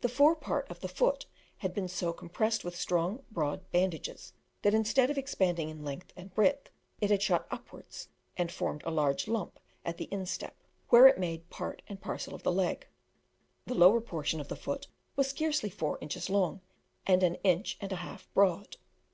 The fore part of the foot had been so compressed with strong broad bandages, that instead of expanding in length and breadth, it had shot upwards and formed a large lump at the instep, where it made part and parcel of the leg; the lower portion of the foot was scarcely four inches long, and an inch and a half broad.